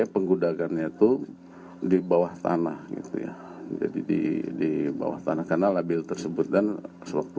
pengguna noiatuh di bawah tanah gitu ya jadi dibawah tangankan ala bill tersebut dan suatu